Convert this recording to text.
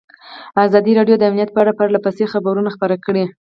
ازادي راډیو د امنیت په اړه پرله پسې خبرونه خپاره کړي.